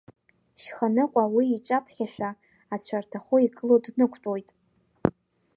Шьханыҟәа уи иҿаԥхьашәа ацәарҭаӷәы игылоу днықәтәоит.